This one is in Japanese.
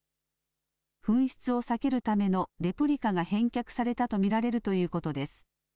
紛失を避けるためのレプリカが返却されたと見られるということです。